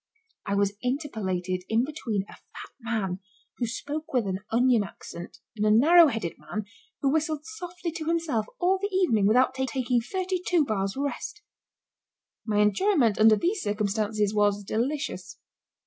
I was interpolated in between a fat man who spoke with an onion accent and a narrow headed man who whistled softly to himself all the evening without taking 32 bars rest. My enjoyment under these circumstances was delicious.